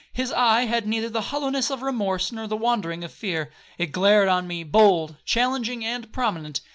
His eye had neither the hollowness of remorse, or the wandering of fear,—it glared on me bold, challenging, and prominent.